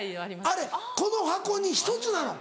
あれこの箱に１つなの？